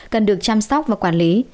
cần được chăm sóc và quản lý